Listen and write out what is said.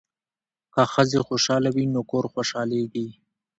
که ښځې خوشحاله وي نو کور خوشحالیږي.